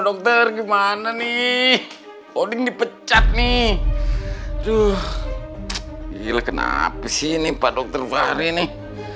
dokter gimana nih coding dipecat nih aduh gila kenapa sih ini pak dokter fahri nih